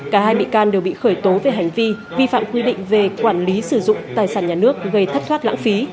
cả hai bị can đều bị khởi tố về hành vi vi phạm quy định về quản lý sử dụng tài sản nhà nước gây thất thoát lãng phí